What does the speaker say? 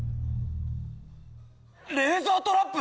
レーザートラップ！？